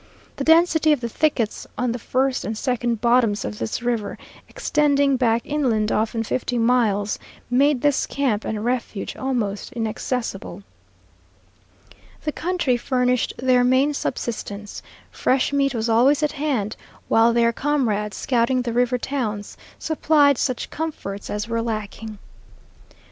The density of the thickets on the first and second bottoms of this river, extending back inland often fifty miles, made this camp and refuge almost inaccessible. The country furnished their main subsistence; fresh meat was always at hand, while their comrades, scouting the river towns, supplied such comforts as were lacking.